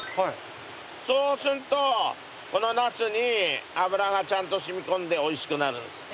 そうするとこのナスに油がちゃんと染み込んで美味しくなるんです。